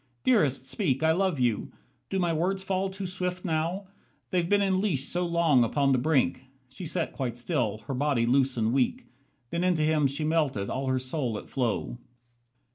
Dearest, speak, I love you. Do my words fall too swift now? They've been in leash so long upon the brink." She sat quite still, her body loose and weak. Then into him she melted, all her soul at flow.